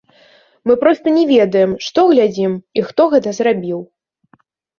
Мы проста не ведаем, што глядзім, і хто гэта зрабіў.